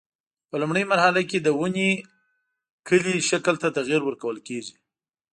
په لومړۍ مرحله کې د ونې کلي شکل ته تغییر ورکول کېږي.